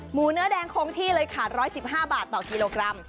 หมูเนื้อแดงคงที่เลยค่ะร้อยสิบห้าบาทต่อกิโลกรัม